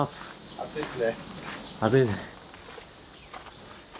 暑いです。